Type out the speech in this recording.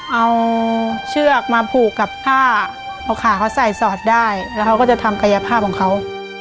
เอาเชือกมาผูกกับผ้าเอาขาเขาใส่สอดได้แล้วเขาก็จะทำกายภาพของเขา